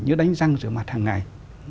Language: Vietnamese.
như đánh răng giữa mặt hàng ngày